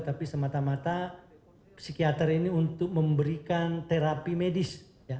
tapi semata mata psikiater ini untuk memberikan terapi medis